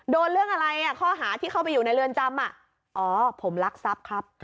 เรื่องอะไรข้อหาที่เข้าไปอยู่ในเรือนจำอ๋อผมรักทรัพย์ครับ